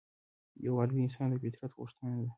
یووالی د انسان د فطرت غوښتنه ده.